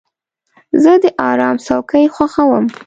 زه د آرام څوکۍ خوښوم.